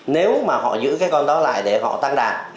nếu mà họ giữ cái con đó lại để họ tăng đàn